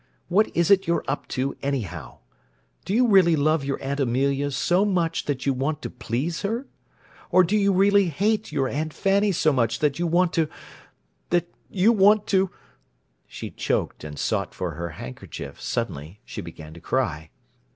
What is it you're up to, anyhow? Do you really love your Aunt Amelia so much that you want to please her? Or do you really hate your Aunt Fanny so much that you want to—that you want to—" She choked and sought for her handkerchief; suddenly she began to cry.